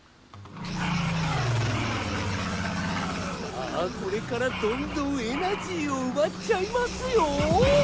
さあこれからどんどんエナジーをうばっちゃいますよ！